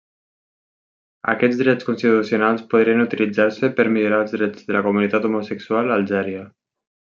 Aquests drets constitucionals podrien utilitzar-se per millorar els drets de la comunitat homosexual a Algèria.